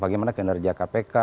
bagaimana kinerja kpk